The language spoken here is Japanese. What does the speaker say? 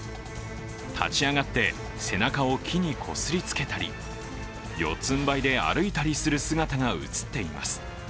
立ち上がって背中を木にこすりつけたり四つんばいで歩いたりする姿が映っています。